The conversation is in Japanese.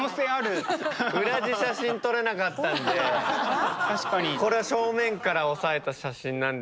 裏地写真撮れなかったんでこれは正面からおさえた写真なんですが。